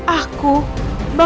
aku gak bisa beritahu